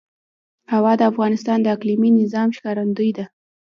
هوا د افغانستان د اقلیمي نظام ښکارندوی ده.